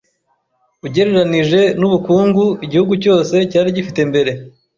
ugereranije n’ubukungu igihugu cyose cyari gifite mbere.